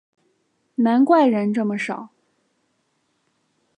难怪人这么少